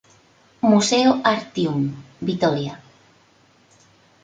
Museo Artium, Vitoria.